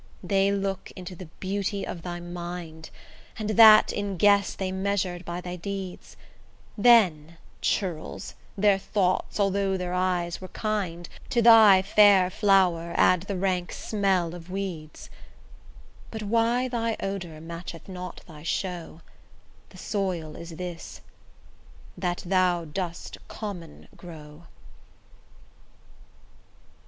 They look into the beauty of thy mind, And that in guess they measure by thy deeds; Then churls their thoughts, although their eyes were kind, To thy fair flower add the rank smell of weeds: But why thy odour matcheth not thy show, The soil is this, that thou dost common grow.